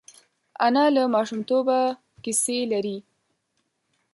انا له ماشومتوبه کیسې لري